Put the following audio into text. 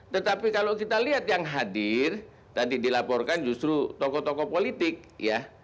tetapi kalau kita lihat yang hadir tadi dilaporkan justru tokoh tokoh politik ya